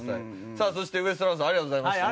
さあそしてウエストランドさんありがとうございました。